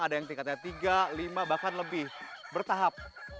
ada yang tingkatnya tiga lima bahkan lebih bertahap